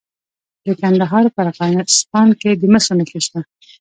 د کندهار په ارغستان کې د مسو نښې شته.